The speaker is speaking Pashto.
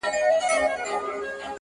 عشق مي ژبه را ګونګۍ کړه،